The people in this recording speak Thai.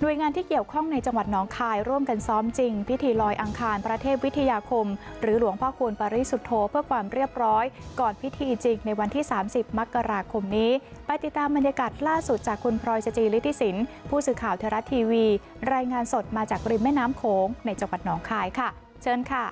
โดยงานที่เกี่ยวข้องในจังหวัดน้องคายร่วมกันซ้อมจริงพิธีลอยอังคารพระเทพวิทยาคมหรือหลวงพ่อคูณปริสุทธโธเพื่อความเรียบร้อยก่อนพิธีจริงในวันที่๓๐มกราคมนี้ไปติดตามบรรยากาศล่าสุดจากคุณพลอยสจิริธิสินผู้สื่อข่าวไทยรัฐทีวีรายงานสดมาจากริมแม่น้ำโขงในจังหวัดน้องคายค่ะเชิญค่ะ